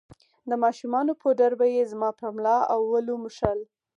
د ماشومانو پوډر به يې زما پر ملا او ولو موښل.